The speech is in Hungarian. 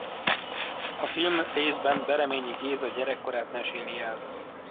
A film részben Bereményi Géza gyerekkorát meséli el.